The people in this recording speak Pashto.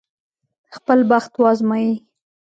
خپل بخت وازمايي.